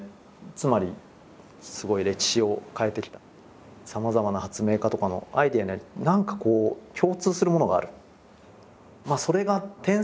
つまりすごい歴史を変えてきたさまざまな発明家とかのアイデアには何かこう共通するものがある。